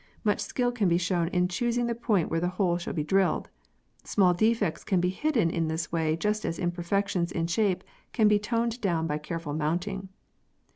Much skill can be shown in choosing the point where the hole shall be drilled. Small defects can be hidden in this way just as imperfections in shape can be toned down by careful mounting.